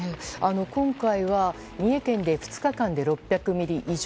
今回は三重県で２日間で６００ミリ以上。